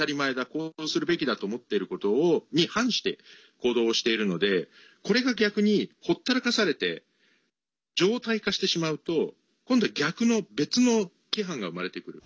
こうするべきだと思っていることに反して行動をしているのでこれが逆に、ほったらかされて常態化してしまうと今度は逆の別の規範が生まれてくる。